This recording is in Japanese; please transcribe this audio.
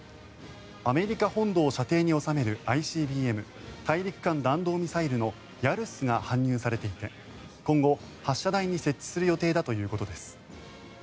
アメリカ本土を射程に収めるＩＣＢＭ・大陸間弾道ミサイルのヤルスが搬入されていて今後、発射台に設置する予定だということです。